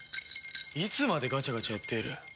いつまでガチャガチャやっている。